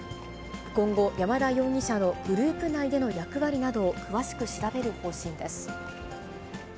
今後、山田容疑者のグループ内での役割などを詳しく調べる方針です。